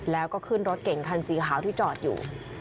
แล้วก็ขึ้นรถเก่งคันสีขาวที่จอดอยู่